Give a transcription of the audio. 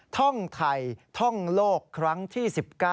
ท่องไทยท่องโลกครั้งที่๑๙